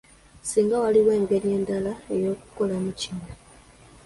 Singa waaliwo engeri endala ey'okukolamu kino!